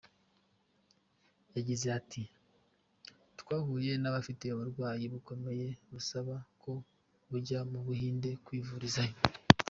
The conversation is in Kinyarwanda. Yagize ati “Twahuye n’abafite uburwayi bukomeye busaba ko bajya mu Buhindi kwivurizayo.